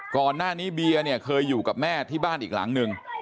ก่อนหน้านี้เบียร์เนี่ยเคยอยู่กับแม่ที่บ้านอีกหลังหนึ่ง